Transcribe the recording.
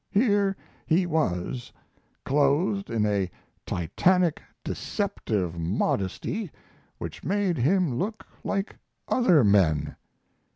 Here he was, clothed in a titanic deceptive modesty which made him look like other men.